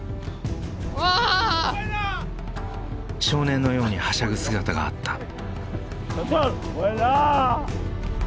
少年のようにはしゃぐ姿があった。